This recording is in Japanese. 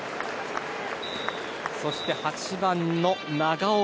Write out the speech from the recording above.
そして８番の長岡。